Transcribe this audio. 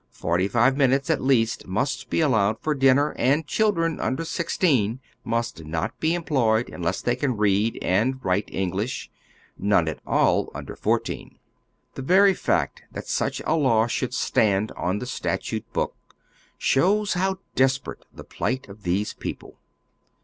Forty five minutes at least must be allowed for dinner, and children under sixteen must not be employed imless they can read and write English ; none at all under fourteen. The very fact that such a law should stand on the statute hook, shows how desperate the plight of these people.